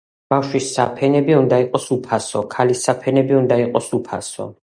ბავშვის საფენები უნდა იყოს უფასო. ქალის საფენები უნდა იყოს უფასო.